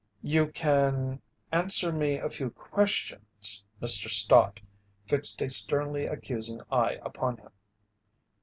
"You can answer me a few questions." Mr. Stott fixed a sternly accusing eye upon him.